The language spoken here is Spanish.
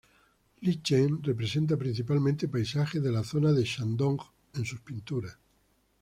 Li Cheng representa principalmente paisajes de la zona de Shandong en sus pinturas.